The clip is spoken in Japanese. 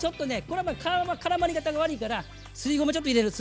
これはからまり方が悪いからすりごまちょっと入れる。